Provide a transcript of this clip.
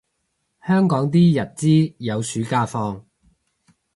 香港啲日資有暑假放